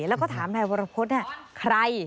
แล้วก็ถามนายวรพภวิ่งใคร